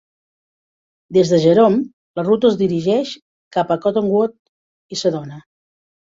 Des de Jerome, la ruta es dirigeix cap a Cottonwood i Sedona.